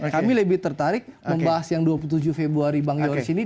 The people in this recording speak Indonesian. kami lebih tertarik membahas yang dua puluh tujuh februari bang yoris ini